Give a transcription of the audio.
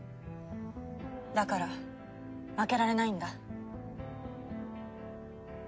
だから負けられないんだ。